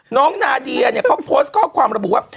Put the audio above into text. นาเดียเนี่ยเขาโพสต์ข้อความระบุว่า